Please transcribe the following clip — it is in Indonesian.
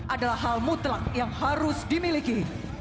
adalah hal mutlak yang harus dimiliki